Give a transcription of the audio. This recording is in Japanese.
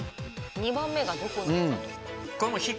２番目がどこなのかと。